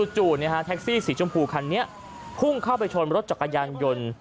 แท็กซี่สีชมพูคันนี้พุ่งเข้าไปชนรถจักรยานยนต์